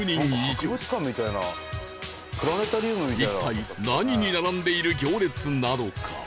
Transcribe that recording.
一体何に並んでいる行列なのか？